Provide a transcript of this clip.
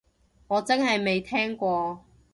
我真係未聽過